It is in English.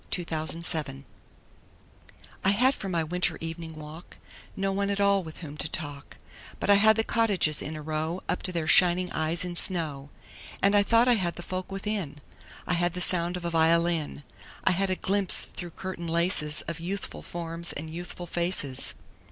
Good Hours I HAD for my winter evening walk No one at all with whom to talk, But I had the cottages in a row Up to their shining eyes in snow. And I thought I had the folk within: I had the sound of a violin; I had a glimpse through curtain laces Of youthful forms and youthful faces.